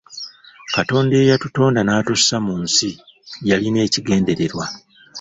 Katonda eyatutonda n’atussa mu nsi yalina ekigendererwa .